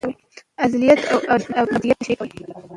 ازليت او ابديت تشريح کوي